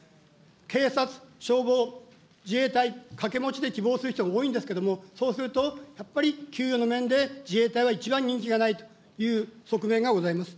警察、消防、自衛隊、掛け持ちで希望する人は多いんですけども、そうすると、やっぱり給与の面で、自衛隊は一番人気がないという側面がございます。